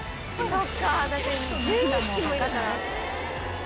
だって１２匹もいるから。